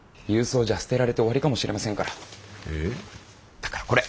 だからこれ。